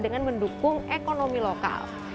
dengan mendukung ekonomi lokal